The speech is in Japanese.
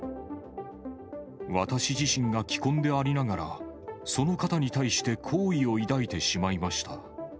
私自身が既婚でありながら、その方に対して好意を抱いてしまいました。